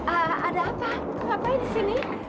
ada apa ngapain di sini